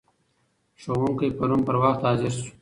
ښوونکی پرون پر وخت حاضر شو.